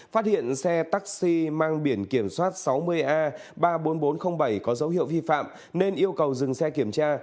phát hiện xe taxi mang biển kiểm soát sáu mươi a ba mươi bốn nghìn bốn trăm linh bảy có dấu hiệu vi phạm nên yêu cầu dừng xe kiểm tra